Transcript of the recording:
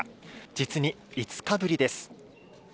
実に５日ぶりです。